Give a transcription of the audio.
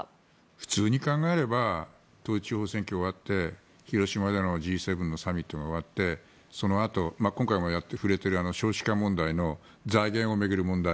普通に考えれば統一地方選挙が終わって広島でのＧ７のサミットが終わってそのあと、今回も触れている少子化問題の財源を巡る問題